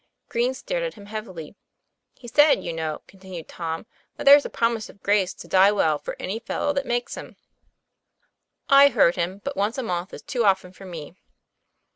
Green stared at him heavily. "He said, you know," continued Tom, "that there's a promise of grace to die well for any fellow that makes 'em." "I heard him; but once a month is too often for me.'